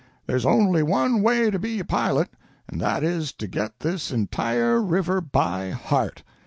There's only one way to be a pilot, and that is to get this entire river by heart.